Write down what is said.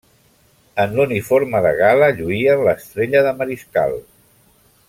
En l'uniforme de gala lluïen l'Estrella de Mariscal.